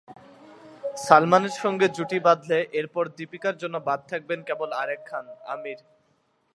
সালমানের সঙ্গে জুটি বাঁধলে এরপর দীপিকার জন্য বাদ থাকবেন কেবল আরেক খান—আমির।